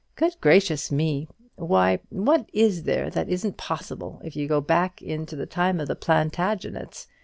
Good gracious me! why, what is there that isn't possible if you go back to the time of the Plantagenets?